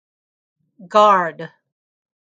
Gard.